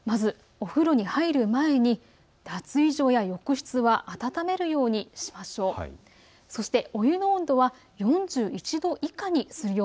お風呂に入る前に脱衣所や浴室は温めるようにしましょう。